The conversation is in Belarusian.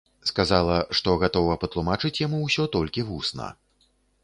Сказала, што гатова патлумачыць яму ўсё толькі вусна.